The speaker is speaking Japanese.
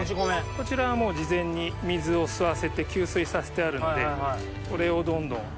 こちらは事前に水を吸わせて吸水させてあるのでこれをどんどん。